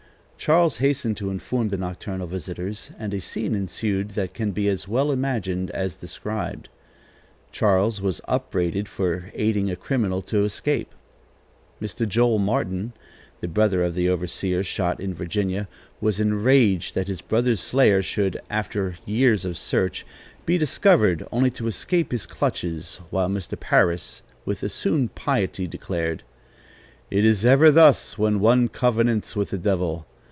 Charles hastened to inform the nocturnal visitors, and a scene ensued that can be as well imagined as described. Charles was upbraided for aiding a criminal to escape. Mr. Joel Martin, the brother of the overseer shot in Virginia, was enraged that his brother's slayer should, after years of search, be discovered only to escape his clutches, while Mr. Parris, with assumed piety declared: "It is ever thus, when one covenants with the devil.